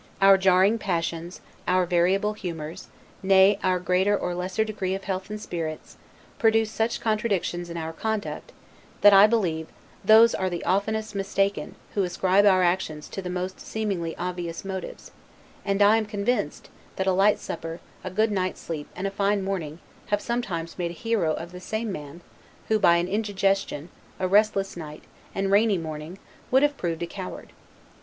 Our jarring passions, our variable humors, nay, our greater or lesser degree of health and spirits, produce such contradictions in our conduct, that, I believe, those are the oftenest mistaken, who ascribe our actions to the most seemingly obvious motives; and I am convinced, that a light supper, a good night's sleep, and a fine morning, have sometimes made a hero of the same man, who, by an indigestion, a restless night, and rainy morning, would, have proved a coward.